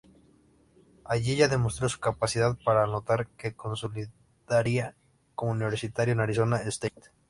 Allí ya demostró su capacidad para anotar, que consolidaría como universitario en Arizona State.